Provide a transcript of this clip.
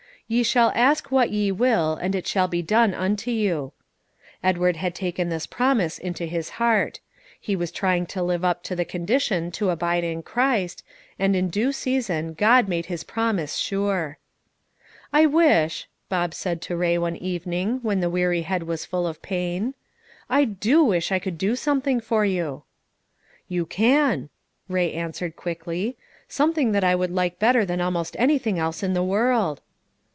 "Ye shall ask what ye will, and it shall be done unto you." Edward had taken this promise into his heart; he was trying to live up to the condition to abide in Christ, and in due season God made His promise sure. "I wish," Bob said to Ray one evening when the weary head was full of pain, "I do wish I could do something for you." "You can," Ray answered quickly, "something that I would like better than almost anything else in the world."